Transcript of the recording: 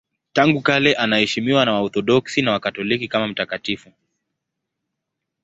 Tangu kale anaheshimiwa na Waorthodoksi na Wakatoliki kama mtakatifu.